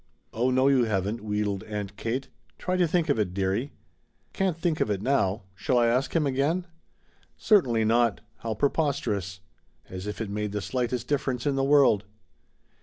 "Oh no, you haven't," wheedled Aunt Kate. "Try to think of it, dearie." "Can't think of it now. Shall I ask him again?" "Certainly not! How preposterous! As if it made the slightest difference in the world!"